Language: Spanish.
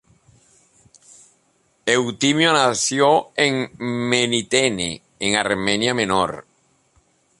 Eutimio nació en Melitene en Armenia Menor.